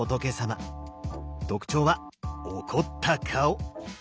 特徴は「怒った顔」。